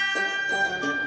nanti kita pergi